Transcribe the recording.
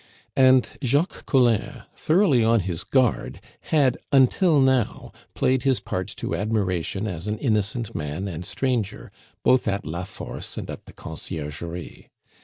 And Jacques Collin, thoroughly on his guard, had, until now, played his part to admiration as an innocent man and stranger, both at La Force and at the Conciergerie.